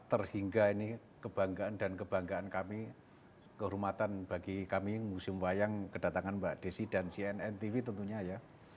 terhingga ini kebanggaan dan kebanggaan kami kehormatan bagi kami museum wayang kedatangan mbak desi dan cnn tv tentunya ya